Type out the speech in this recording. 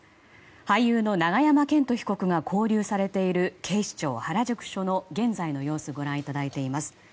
俳優の永山絢斗被告が勾留されている警視庁原宿署の現在の様子をご覧いただいています。